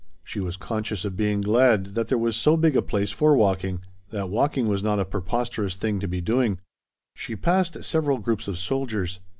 She was conscious of being glad that there was so big a place for walking, that walking was not a preposterous thing to be doing. She passed several groups of soldiers.